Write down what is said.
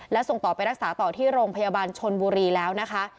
และส่งต่อไปรักษาต่อที่โรงพยาบาลชนบุรีแล้วนะคะ